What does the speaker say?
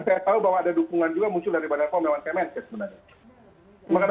saya tahu bahwa ada dukungan juga muncul dari badan pom yang ada di kemenkes